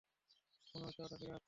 মনে হচ্ছে, ওটা ফিরে আসছে!